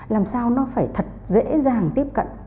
làm sao nó phải thật dễ dàng tiếp cận